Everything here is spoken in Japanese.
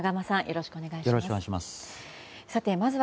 よろしくお願いします。